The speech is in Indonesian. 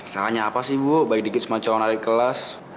salahnya apa sih bu baik dikit sama calon hari kelas